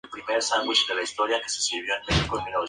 Para Europa es una rara especie, muy bien adaptable al acuario.